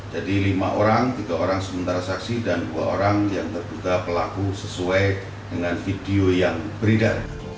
jadi lima orang tiga orang sementara saksi dan dua orang yang terbuka pelaku sesuai dengan video yang berita